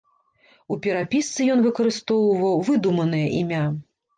У перапісцы ён выкарыстоўваў выдуманае імя.